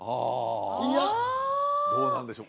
あどうなんでしょう？